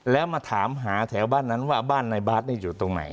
แล้วมาถามหาแถวบ้านนั้นว่าบ้านนายบาทนี่อยู่ตรงไหน